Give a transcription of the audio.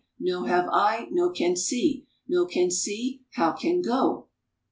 No have eye, no can see ! No can see, how can go